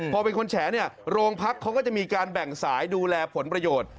พอเป็นคนแฉเนี่ยโรงพักเขาก็จะมีการแบ่งสายดูแลผลประโยชน์